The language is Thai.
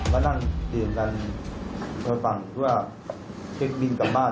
พระนั่งเตรียมกันโดยฟังที่ว่าเท็กบินกลับบ้าน